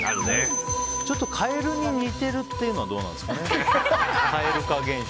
ちょっとカエルに似てるというのはどうなんですかね。